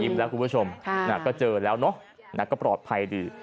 แล้วคุณผู้ชมก็เจอแล้วเนอะก็ปลอดภัยดี